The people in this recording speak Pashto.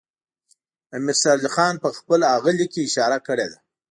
امیر شېر علي خان په خپل هغه لیک کې اشاره کړې ده.